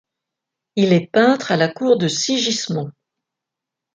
Il est peintre à la cour de Sigismond.